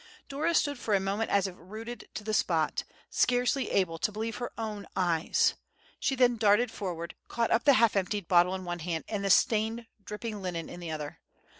Dora stood for a moment as if rooted to the spot, scarcely able to believe her own eyes. She then darted forward, caught up the half emptied bottle in one hand, and the stained, dripping linen in the other.